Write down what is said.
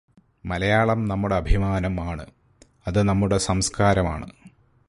മലയാളം നമ്മുടെ അഭിമാനം ആണ്, അത് നമ്മുടെ സംസ്കാരമാണ്.